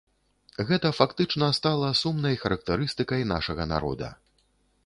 Гэта фактычна стала сумнай характарыстыкай нашага народа.